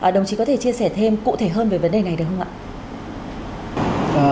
đồng chí có thể chia sẻ thêm cụ thể hơn về vấn đề này được không ạ